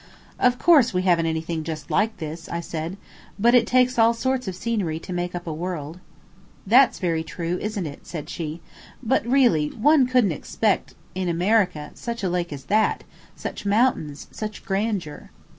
"Of course, we haven't anything just like this," I said, "but it takes all sorts of scenery to make up a world." "That's very true, isn't it?" said she. "But, really, one couldn't expect in America such a lake as that, such mountains, such grandeur!"